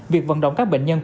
việc vận động các bệnh nhân